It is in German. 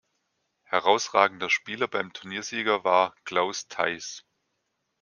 Herausragender Spieler beim Turniersieger war Klaus Theiss.